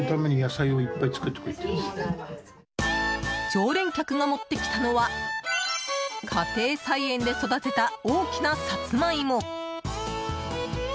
常連客が持ってきたのは家庭菜園で育てた大きなサツマイモ。